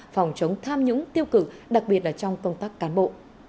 phòng chống tham nhũng tiêu cực đặc biệt là trong công tác cán bộ